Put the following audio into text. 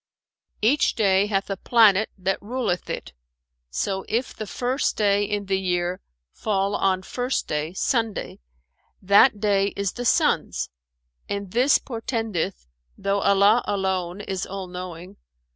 "Each day hath a planet that ruleth it: so if the first day in the year fall on First Day (Sunday) that day is the Sun's and this portendeth (though Allah alone is All knowing!)